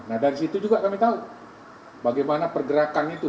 nah dari situ juga kami tahu bagaimana pergerakan itu